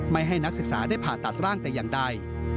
ให้นักศึกษาได้ผ่าตัดร่างแต่อย่างใด